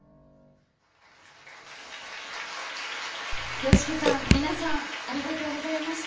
ＹＯＳＨＩＫＩさん、皆さん、ありがとうございました。